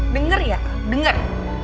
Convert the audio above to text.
dengar ya al dengar